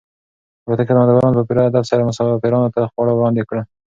د الوتکې خدمتګارانو په پوره ادب سره مسافرانو ته خواړه وړاندې کړل.